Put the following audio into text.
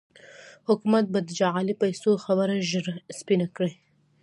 حکومت به د جعلي پيسو خبره ژر سپينه کړي.